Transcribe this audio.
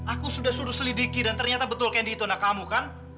aku sudah suruh selidiki dan ternyata betul candi itu anak kamu kan